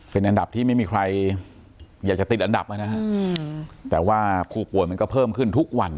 เป็นอันดับที่ไม่มีใครอยากจะติดอันดับนะฮะแต่ว่าผู้ป่วยมันก็เพิ่มขึ้นทุกวัน